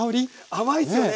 甘いっすよね。